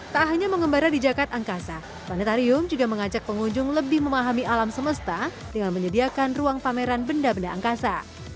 tak hanya mengembara di zakat angkasa planetarium juga mengajak pengunjung lebih memahami alam semesta dengan menyediakan ruang pameran benda benda angkasa